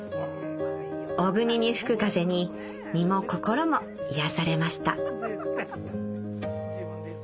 小国に吹く風に身も心も癒やされました